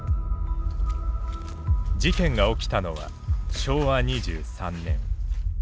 事件が起きたのは昭和２３年。